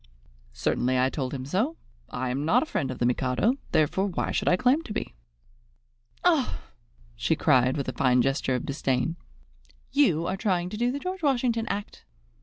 "Certainly I told him so. I am not a friend of the Mikado; therefore why should I claim to be?" "Oh!" she cried, with a fine gesture of disdain, "you are trying to do the George Washington act!"